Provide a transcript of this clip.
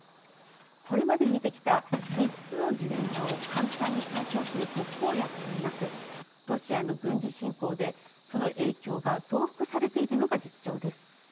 これまで見てきた「３つのジレンマ」を簡単に解消する特効薬はなくロシアの軍事侵攻でその影響が増幅されているのが実情です。